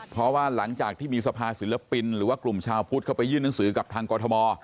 เพราะว่าหลังจากที่มีสภาศิลปินหรือว่ากลุ่มชาวพุทธเข้าไปยื่นหนังสือกับทางกรทม